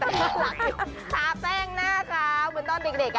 ทาแป้งหน้าเกาเหมือนตอนเด็ก